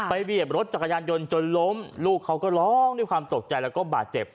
เบียบรถจักรยานยนต์จนล้มลูกเขาก็ร้องด้วยความตกใจแล้วก็บาดเจ็บ